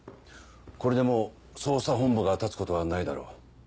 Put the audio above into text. これでもう捜査本部が立つことはないだろう。